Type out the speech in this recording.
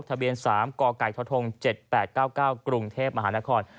ทะเบียน๓กไก่ทธ๗๘๙๙กรุงเทพมหานคร